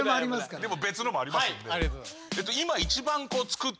でも別のもありますんで。